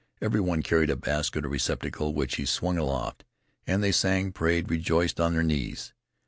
Every one carried a basket or receptacle, which he swung aloft, and they sang, prayed, rejoiced on their knees.